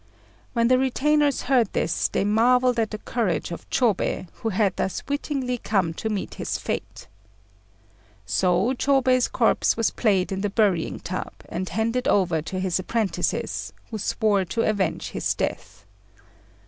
When the retainers heard this, they marvelled at the courage of Chôbei, who had thus wittingly come to meet his fate. So Chôbei's corpse was placed in the burying tub, and handed over to his apprentices, who swore to avenge his death.